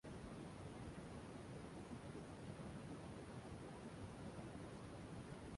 এরপর LazyTown live!